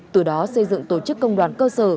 từ đó xây dựng tổ chức công đoàn cơ sở